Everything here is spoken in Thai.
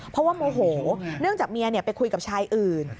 เพราะว่าโมโหเนื่องจากเมียไปคุยกับชายอื่น